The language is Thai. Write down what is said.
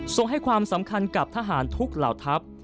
ส่งให้ความสำคัญกับทหารทุกเหล่าทัพ